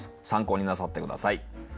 参考になさって下さい。